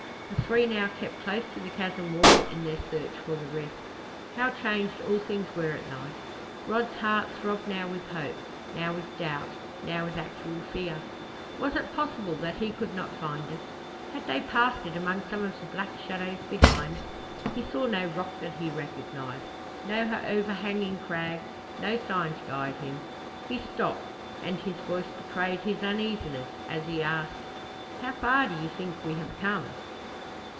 The three now kept close to the chasm wall in their search for the rift. How changed all things were at night! Rod's heart throbbed now with hope, now with doubt, now with actual fear. Was it possible that he could not find it? Had they passed it among some of the black shadows behind? He saw no rock that he recognized, no overhanging crag, no sign to guide him. He stopped, and his voice betrayed his uneasiness as he asked: "How far do you think we have come?"